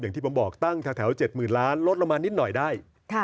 อย่างที่ผมบอกตั้งแถวตา๗หมื่นล้านลดออกมาหนิ่ดหน่อยได้